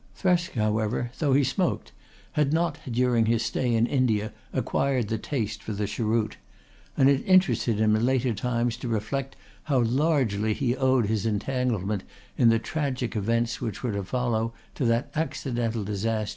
Thresk, however, though he smoked had not during his stay in India acquired the taste for the cheroot; and it interested him in later times to reflect how largely he owed his entanglement in the tragic events which were to follow to that accidental distaste.